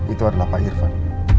itu adalah pak irvan